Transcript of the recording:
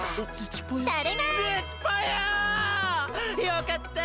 よかった！